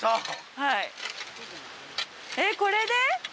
はいえっこれで？